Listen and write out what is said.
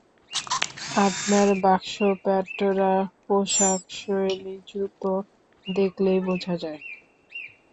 আপনার বাক্সপ্যাঁটরা, পোশাকশৈলি, জুতো দেখলেই বোঝা যায়!